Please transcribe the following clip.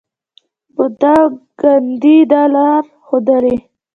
بودا او ګاندي دا لار ښودلې.